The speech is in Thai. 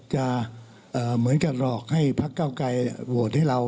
จะเหมือนกับหลอกให้พักเก้าไกรโหวตให้เรา